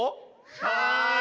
はい。